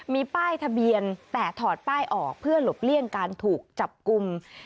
มีป้ายทะเบียนแต่ถอดป้ายออกเพื่อหลบเลี่ยงการถูกจับกลุ่ม